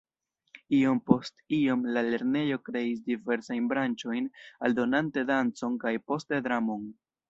Iom post iom, la lernejo kreis diversajn branĉojn aldonante dancon kaj poste dramon.